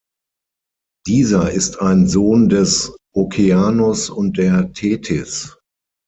Dieser ist ein Sohn des Okeanos und der Tethys.